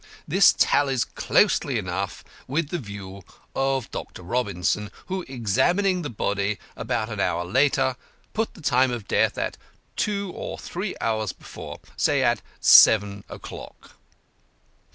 This tallies closely enough with the view of Dr. Robinson, who, examining the body about an hour later, put the time of death at two or three hours before, say seven o'clock.